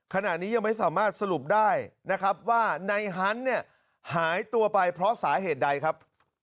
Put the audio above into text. ขณะนี้ยังไม่สามารถสรุปได้นะครับว่าในฮันต์เนี่ยหายตัวไปเพราะสาเหตุใดครับ